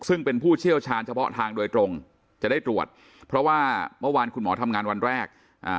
ซึ่งเป็นผู้เชี่ยวชาญเฉพาะทางโดยตรงจะได้ตรวจเพราะว่าเมื่อวานคุณหมอทำงานวันแรกอ่า